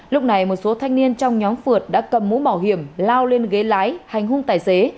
lúc này một số thanh niên trong nhóm phượt đã cầm mũ bảo hiểm lao lên ghế lái hành hung tài xế